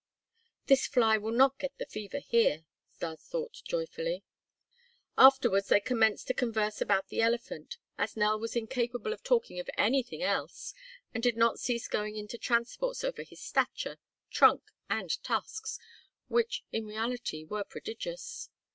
"This fly will not get the fever here," Stas thought joyfully. Afterwards they commenced to converse about the elephant, as Nell was incapable of talking of anything else and did not cease going into transports over his stature, trunk, and tusks, which in reality were prodigious.